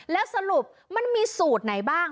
แล้วสรุปมันมีสูตรไหนบ้าง